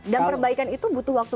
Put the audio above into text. dan perbaikan itu butuh waktu